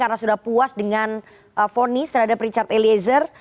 karena sudah puas dengan ponis terhadap richard eliezer